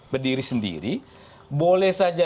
berdiri sendiri boleh saja